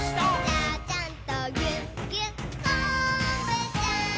「ちゃちゃんとぎゅっぎゅっこんぶちゃん」